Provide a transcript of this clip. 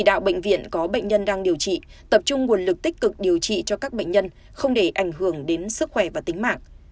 điều trị tập trung nguồn lực tích cực điều trị cho các bệnh nhân không để ảnh hưởng đến sức khỏe và tính mạng